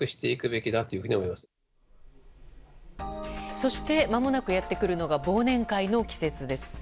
そしてまもなくやってくるのが忘年会の季節です。